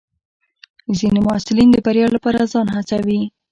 ځینې محصلین د بریا لپاره ځان هڅوي.